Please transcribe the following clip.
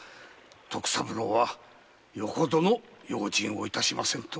徳三郎はよほどの用心をいたしませぬと。